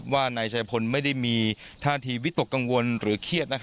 นายชายพลไม่ได้มีท่าทีวิตกกังวลหรือเครียด